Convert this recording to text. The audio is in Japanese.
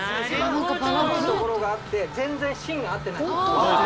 一番深い所があって全然芯が合ってない。